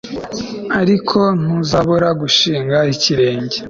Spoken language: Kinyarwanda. ariko ntuzabura gushinga ikirenge